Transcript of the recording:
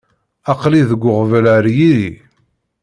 Aql-i deg uɣbel ar yiri.